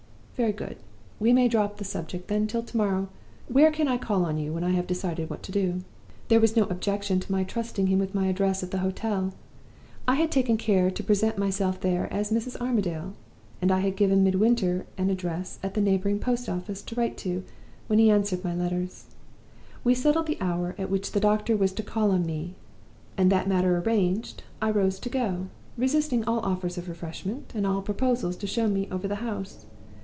Very good; we may drop the subject, then, till to morrow. Where can I call on you when I have decided what to do?' "There was no objection to my trusting him with my address at the hotel. I had taken care to present myself there as 'Mrs. Armadale'; and I had given Midwinter an address at the neighboring post office to write to when he answered my letters. We settled the hour at which the doctor was to call on me; and, that matter arranged, I rose to go, resisting all offers of refreshment, and all proposals to show me over the house.